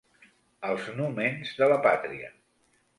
Els númens de la pàtria.